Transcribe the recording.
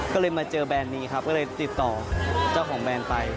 ก็เลยมาเจอแบรนด์นี้ครับก็เลยติดต่อเจ้าของแบรนด์ไป